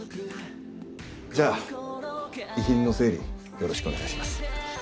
じゃあ遺品の整理よろしくお願いします。